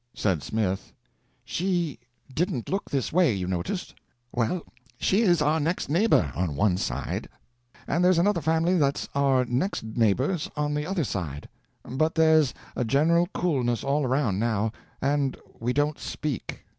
Said Smith: "She didn't look this way, you noticed? Well, she is our next neighbor on one side, and there's another family that's our next neighbors on the other side; but there's a general coolness all around now, and we don't speak.